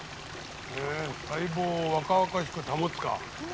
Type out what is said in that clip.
へぇ細胞を若々しく保つか。